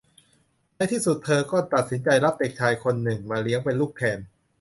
ในที่สุดเธอก็ตัดสินใจรับเด็กชายคนหนึ่งมาเลี้ยงเป็นลูกแทน